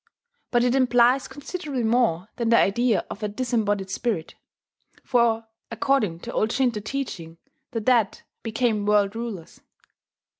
But it implies considerably more than the idea of a disembodied spirit; for, according to old Shinto teaching the dead became world rulers.